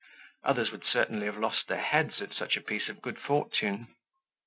Others would certainly have lost their heads at such a piece of good fortune.